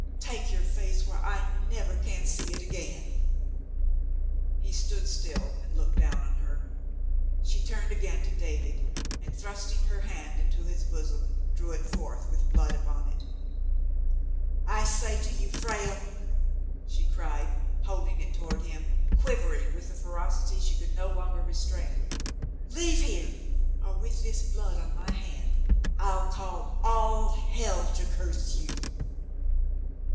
Take your face where I never can see it again," He still stood and looked down on her. She turned again to David, and, thrusting her hand into his bosom, drew it forth with blood upon it. "I say, you Frale !" she cried, holding it toward him, quivering with the ferocity she could no longer restrain, "leave here, or with this blood on my hand I'll call all hell to curse you."